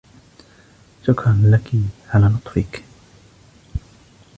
شكراً لكِ على لطفكِ.